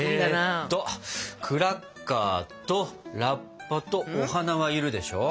えっとクラッカーとラッパとお花は要るでしょ。